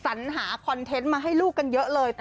สัญหาคอนเทนต์มาให้ลูกกันเยอะเลย